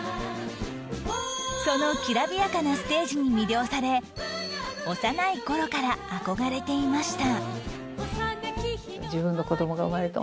その煌びやかなステージに魅了され幼い頃から憧れていました